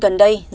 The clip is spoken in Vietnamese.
giá vàng miếng